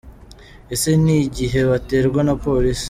Ese ni igihe baterwa na police?